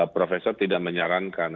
profesor tidak menyarankan